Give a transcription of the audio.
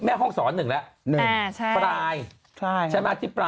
แม่ห้องศอดนึงที่ปลายชั่วเมลต์